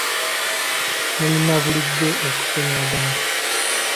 Mulina bulijjo okusonyiwagana.